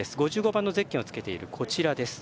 ５５番のゼッケンをつけている、こちら。